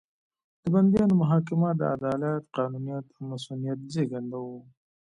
د بندیانو محاکمه د عدالت، قانونیت او مصونیت زېږنده وو.